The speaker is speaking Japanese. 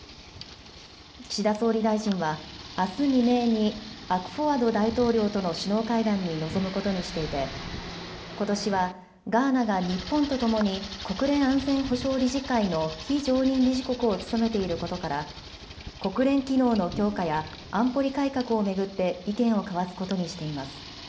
岸田総理大臣はあす未明にアクフォアド大統領との首脳会談に臨むことにしていてことしはガーナが日本とともに国連安全保障理事会の非常任理事国を務めていることから国連機能の強化や安保理改革を巡って意見を交わすことにしています。